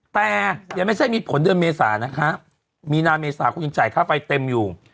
แต่ยังไม่ได้มีผลเดือนเมษานะคะมีหน้าเมษาคุณยุนใจไฟเต็มอยู่